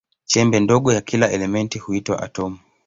Chembe ndogo ya kila elementi huitwa atomu.